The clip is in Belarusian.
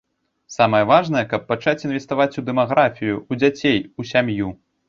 Самае важнае, каб пачаць інвеставаць у дэмаграфію, у дзяцей, у сям'ю.